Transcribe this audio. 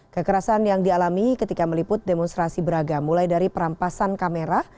kekerasan yang dialami ketika meliput demonstrasi beragam mulai dari perampasan kamera